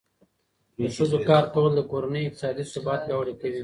د ښځو کار کول د کورنۍ اقتصادي ثبات پیاوړی کوي.